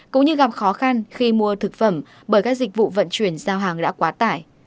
cũng như gặp khó khăn khi mua thực phẩm bởi các dịch vụ vận chuyển giao hàng đã quá tải